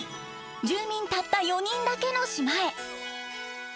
住民たった４人だけの島へ。